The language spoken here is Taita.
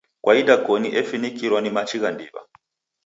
Kwa idakoni efinikirwa ni machi gha ndiw'a.